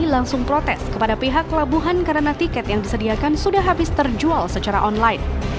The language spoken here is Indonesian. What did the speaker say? langsung protes kepada pihak labuhan karena tiket yang disediakan sudah habis terjual secara online